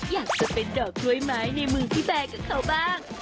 อยากจะเป็นดอกกล้วยไม้ในมือพี่แบร์กับเขาบ้าง